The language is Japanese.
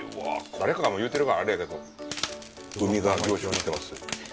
誰かがもう言うてるからあれやけど、海が凝縮してますよ。